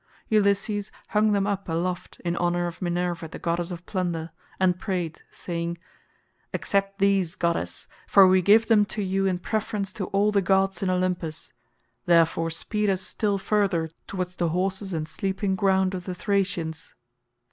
Ulysses hung them up aloft in honour of Minerva the goddess of plunder, and prayed saying, "Accept these, goddess, for we give them to you in preference to all the gods in Olympus: therefore speed us still further towards the horses and sleeping ground of the Thracians."